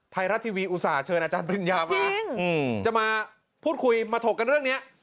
ไทยรัฐทีวีอุตส่าห์เชิญอาจารย์ปริญญามาจะมาพูดคุยมาถกกันเรื่องนี้